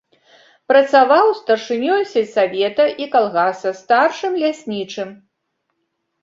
Працаваў старшынёй сельсавета і калгаса, старшым ляснічым.